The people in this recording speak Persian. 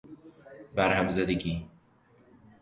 بر هم زدگی